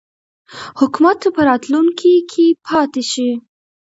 حکومت په راتلونکي کې پاته شي.